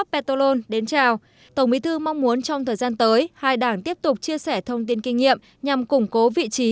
mong muốn trong thời gian tới hai đảng tiếp tục chia sẻ thông tin kinh nghiệm nhằm củng cố vị trí